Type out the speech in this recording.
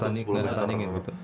enggak dipertandingin gitu